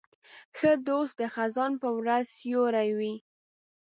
ښه دوست د خزان په ورځ سیوری وي.